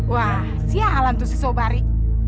wah sialan tuh si sobari